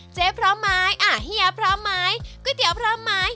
เจ๊พร้อมไหมเฮียพร้อมไหมก๋วยเตี๋ยวพร้อมไหม